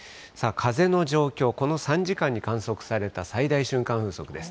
風の状況、この３時間に観測された最大瞬間風速です。